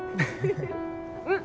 うん！